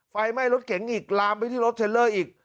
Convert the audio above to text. ไฟไหม้รถเก๋งอีกลามไปที่รถเทลเลอร์อีก